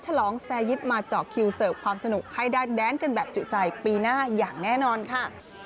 ฉลองแซยิตมาเจาะคิวเสิร์ฟความสนุกให้ได้แดนกันแบบจุใจปีหน้าอย่างแน่นอนค่ะ